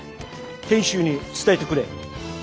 賢秀に伝えてくれ。